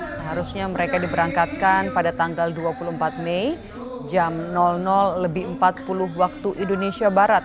seharusnya mereka diberangkatkan pada tanggal dua puluh empat mei jam lebih empat puluh waktu indonesia barat